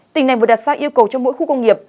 tỉnh này vừa đặt ra yêu cầu cho mỗi khu công nghiệp